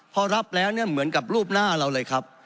พอรับแล้วเนี่ยเหมือนกับรูปหน้าเราเลยครับ